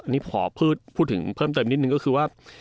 นี่ขอพูดถึงเพิ่มเติมนิดนึงก็คือว่า